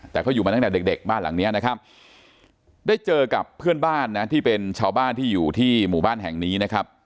แต่เขาอยู่มาตั้งแต่เด็กบ้านหลังนี้นะครับได้เจอกับเพื่อนบ้านนะที่เป็นชาวบ้านที่อยู่ที่หมู่บ้านแห่งนี้นะครับ